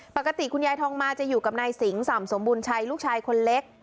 ปกติคุณยายทองมาจะอยู่กับนายสิงสำสมบูรณ์ชัยลูกชายคนเล็ก